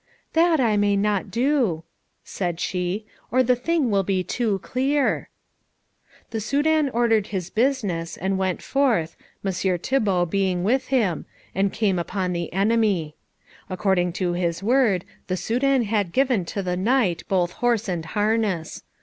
"That I may not do," said she, "or the thing will be too clear." The Soudan ordered his business, and went forth, Messire Thibault being with him, and came upon the enemy. According to his word, the Soudan had given to the knight both horse and harness.